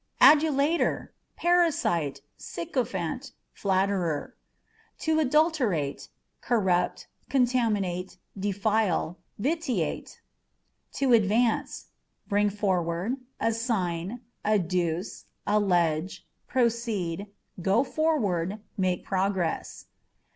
Adulator â€" parasite, sycophant, flatterer. 2b Adulterateâ€" corrupt, contaminate, defile, vitiate. To Advance â€" bring forward, assign, adduce, allege ; proceed, go forward, make progress.